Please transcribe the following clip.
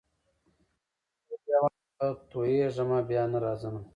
په خپل ګرېوان کي به تویېږمه بیا نه راځمه